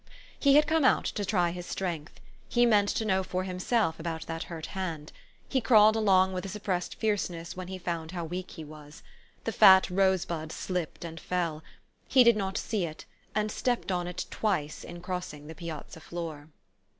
He had come out to try his strength. He meant to know for himself about that hurt hand. He crawled along with a suppressed fierceness when he found how weak he was. The fat rose bud slipped and fell. He did not see it, and stepped on it twice in crossing the piazza floor.